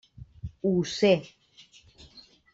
Ho sé.